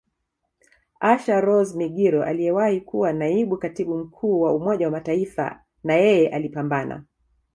Asha Rose Migiro aliyewahi kuwa Naibu Katibu Mkuu wa Umoja wa Mataifa nayeye alipambana